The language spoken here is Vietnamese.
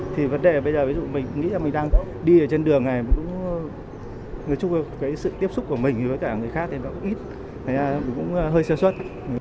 thì vấn đề bây giờ mình nghĩ là mình đang đi ở trên đường này người chung với sự tiếp xúc của mình với cả người khác thì nó cũng ít thế nên cũng hơi siêu suất